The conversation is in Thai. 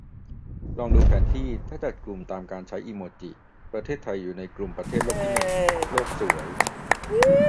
ลองดูแผนที่ ถ้าจัดกลุ่มตามการใช้อิโมจิ ประเทศไทยอยู่ในกลุ่มประเทศโลกที่หนึ่ง ! โลกสวย